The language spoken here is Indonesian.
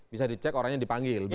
bisa dicek orang yang dipanggil